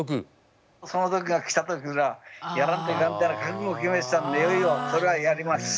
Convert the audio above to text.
その時が来た時はやらんといかんみたいな覚悟を決めてたんでいよいよそれはやります。